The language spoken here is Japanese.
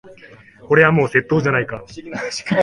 これはもう窃盗じゃないか。